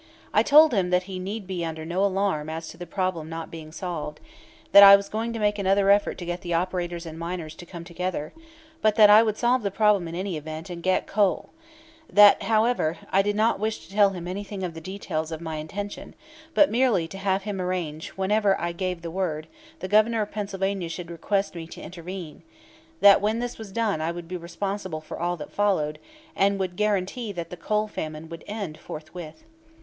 I told him that he need be under no alarm as to the problem not being solved, that I was going to make another effort to get the operators and miners to come together, but that I would solve the problem in any event and get coal; that, however, I did not wish to tell him anything of the details of my intention, but merely to have him arrange that whenever I gave the word the Governor of Pennsylvania should request me to intervene; that when this was done I would be responsible for all that followed, and would guarantee that the coal famine would end forthwith.